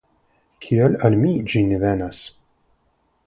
Kial al mi ĝi ne venas?